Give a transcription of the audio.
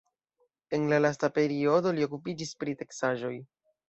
En la lasta periodo li okupiĝis pri teksaĵoj.